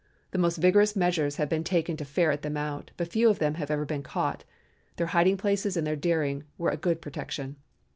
The most vigorous measures have been taken to ferret them out, but few of them have ever been caught, their hiding places and their daring were a good protection.